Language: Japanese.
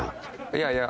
いやいや。